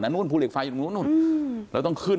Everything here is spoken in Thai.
แล้วนู่นพูเหล็กไฟออกอยู่นู้น